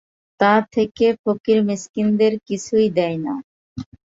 তা থেকে ফকীর মিসকীনদের কিছুই দেয় না।